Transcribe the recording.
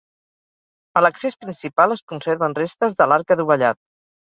A l'accés principal es conserven restes de l'arc adovellat.